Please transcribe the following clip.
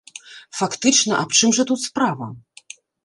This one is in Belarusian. Фактычна, аб чым жа тут справа?